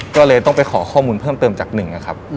ก็เลยต้องไปขอข้อมูลเพิ่มเติมจากหนึ่งนะครับ